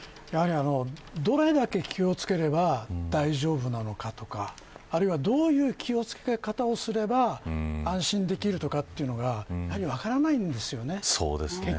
どれだけ気を付ければ大丈夫なのかとかあるいはどういう気を付け方をすれば安心できるかというのがやはり分からないんですよね。